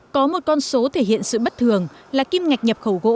có một con số thể hiện sự bất thường là kim ngạch nhập khẩu gỗ